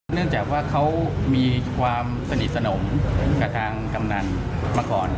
เนื่องจากว่าเขามีความสนิทสนมกับทางกำนันมาก่อน